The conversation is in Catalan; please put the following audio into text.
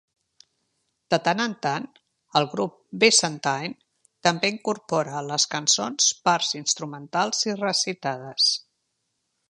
De tant en tant, el grup Byzantine també incorpora a les cançons parts instrumentals i recitades.